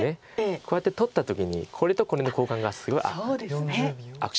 こうやって取った時にこれとこれの交換がすごい悪手なんですよね。